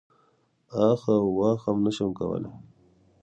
اخ او واخ هم نه شم کولای.